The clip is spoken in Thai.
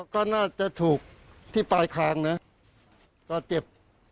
ก็น่าจะถูกที่ปลายคางนะก็เจ็บ